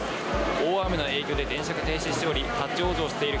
大雨の影響で電車が停止しており、立往生している